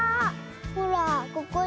ほらここに。